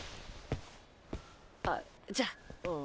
あじゃあ。